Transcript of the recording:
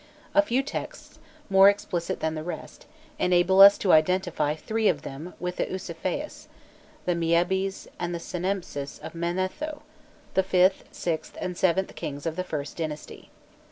A few texts, more explicit than the rest, enable us to identify three of them with the Usaphais, the Miebis, and the Semempses of Manetho the fifth, sixth, and seventh kings of the Ist dynasty.